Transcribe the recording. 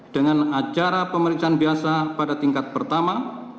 dengan acara pemeriksaan biasa pada tingkat pertama